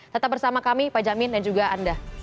tetap bersama kami pak jamin dan juga anda